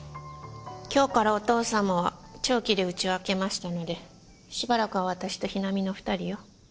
今日からお父様は長期でうちを空けましたのでしばらくは私とヒナミの２人よ。